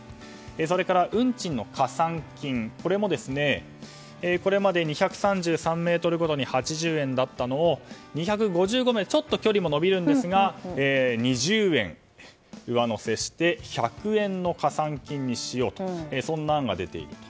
それから運賃の加算金もこれまで２３３ｍごとに８０円だったのを２５５ｍごととちょっと距離が伸びるんですが２０円を上乗せして１００円の加算金にしようとそんな案が出ています。